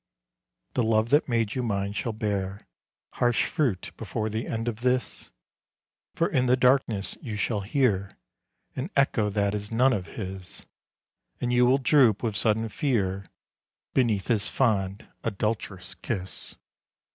The love that made you mine shall bear Harsh fruit before the end of this, For in the darkness you shall hear An echo that is none of his, And you will droop with sudden fear Beneath his fond, adulterous kiss.